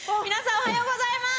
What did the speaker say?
おはようございます。